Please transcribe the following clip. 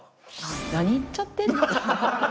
何言っちゃってるの？